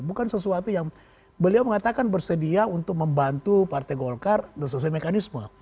bukan sesuatu yang beliau mengatakan bersedia untuk membantu partai golkar sesuai mekanisme